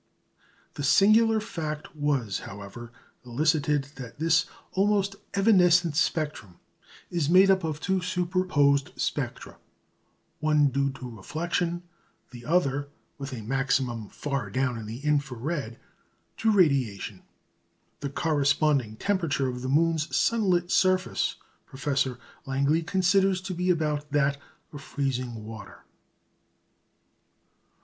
The singular fact was, however, elicited that this almost evanescent spectrum is made up of two superposed spectra, one due to reflection, the other, with a maximum far down in the infra red, to radiation. The corresponding temperature of the moon's sunlit surface Professor Langley considers to be about that of freezing water.